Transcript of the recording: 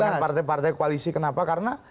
di kalangan partai partai koalisi kenapa karena